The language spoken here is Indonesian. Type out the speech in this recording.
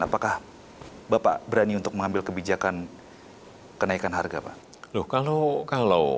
apakah bapak berani untuk mengambil kebijakan kenaikan harga pak